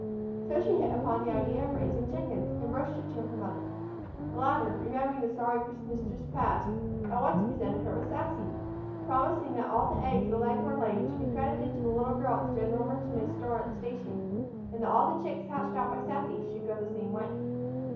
So she hit upon the idea of raising chickens, and broached it to her mother. The latter, remembering the sorry Christmas just past, at once presented her with Sassy, promising that all the eggs the leghorn laid should be credited to the little girl at the general merchandise store at the station, and that all the chicks hatched out by Sassy should go the same way.